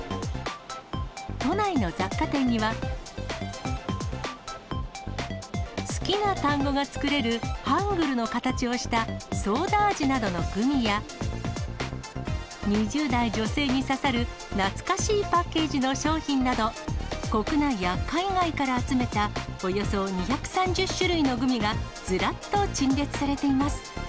都内の雑貨店には、好きな単語が作れるハングルの形をしたソーダ味などのグミや、２０代女性にささる懐かしいパッケージの商品など、国内や海外から集めたおよそ２３０種類のグミがずらっと陳列されています。